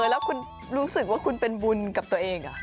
แล้วคุณรู้สึกว่าคุณเป็นบุญกับตัวเอง